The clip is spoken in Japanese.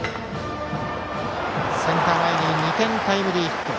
センター前に２点タイムリーヒット。